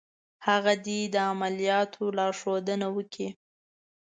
هغه دې د عملیاتو لارښودنه وکړي.